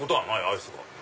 アイスが。